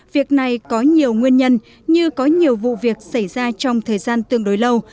việc này có nhiều nguyên nhân như có nhiều vụ việc xảy ra trong thời gian tương đối lâu